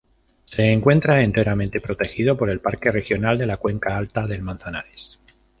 Se encuentra enteramente protegido por el Parque Regional de la Cuenca Alta del Manzanares.